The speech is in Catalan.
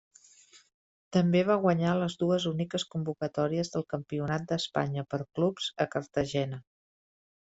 També va guanyar les dues úniques convocatòries del Campionat d’Espanya per clubs a Cartagena.